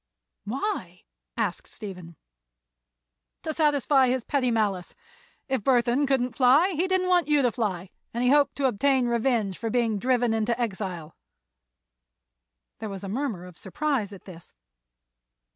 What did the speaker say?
"Why?" asked Stephen. "To satisfy his petty malice. If Burthon couldn't fly he didn't want you to fly, and he hoped to obtain revenge for being driven into exile." There was a murmur of surprise at this.